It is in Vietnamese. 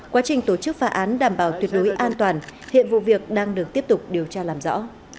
quá trình tổ chức phá án đảm bảo tuyệt đối an toàn hiện vụ việc đang được tiếp tục điều tra làm rõ